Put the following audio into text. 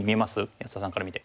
安田さんから見て。